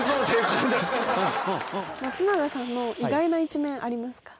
松永さんの意外な一面ありますか？